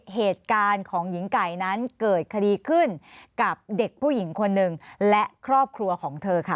เหตุการณ์ของหญิงไก่นั้นเกิดคดีขึ้นกับเด็กผู้หญิงคนหนึ่งและครอบครัวของเธอค่ะ